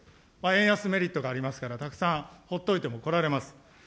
円安メリットがありますから、たくさんほっといても来られます。